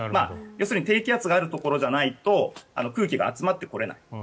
要するに低気圧があるところじゃないと空気が集まってこれない。